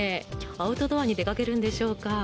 アウトドアに出かけるんでしょうか。